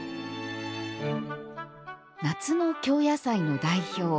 夏の京野菜の代表